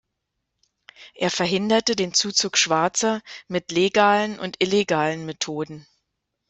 Er verhinderte den Zuzug Schwarzer mit legalen und illegalen Methoden.